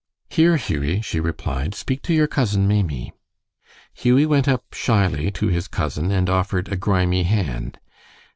"Here, Hughie," she replied, "speak to your cousin Maimie." Hughie went up shyly to his cousin and offered a grimy hand.